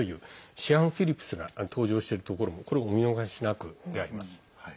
シアン・フィリップスが登場しているところもこれもお見逃しなくであります。